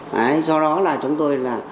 đấy do đó là chúng tôi là